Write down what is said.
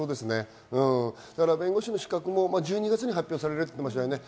弁護士の資格も１２月に発表されるということですね。